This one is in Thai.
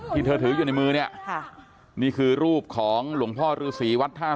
ที่เธอถืออยู่ในมือเนี่ยค่ะนี่คือรูปของหลวงพ่อฤษีวัดท่า